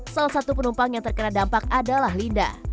salah satu penumpang yang terkena dampak adalah linda